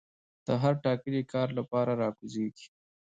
د هر ټاکلي کار لپاره را کوزيږي